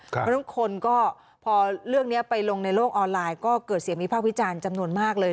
เพราะฉะนั้นคนก็พอเรื่องนี้ไปลงในโลกออนไลน์ก็เกิดเสียงวิพากษ์วิจารณ์จำนวนมากเลย